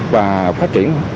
và phát triển